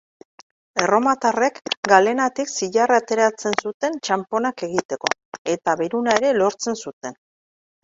Erromatarrek galenatik zilarra ateratzen zuten txanponak egiteko eta beruna ere lortzen zuten.